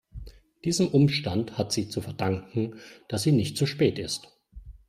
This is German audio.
Diesem Umstand hat sie zu verdanken, dass sie nicht zu spät ist.